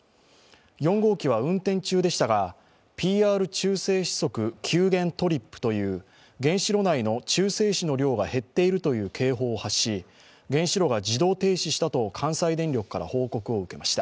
４号機は運転中でしたがＰＲ中性子束急減トリップという原子炉内の中性子の量が減っているという警報を発し原子炉が自動停止したと関西電力から報告を受けました。